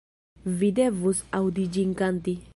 Vi devus aŭdi ĝin kanti.